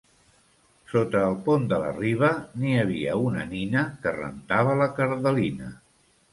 Sota el pont de la Riba n'hi havia una nina que rentava la «cardelina».